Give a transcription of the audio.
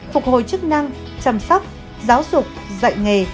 phục hồi chức năng chăm sóc giáo dục dạy nghề